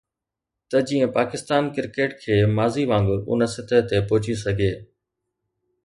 ته جيئن پاڪستان ڪرڪيٽ کي ماضي وانگر ان سطح تي پهچي سگهي